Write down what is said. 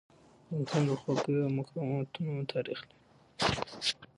افغانستان د خپلواکیو او مقاومتونو تاریخ لري.